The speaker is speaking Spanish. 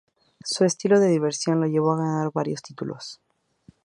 Su estilo diverso lo llevó a ganar varios títulos.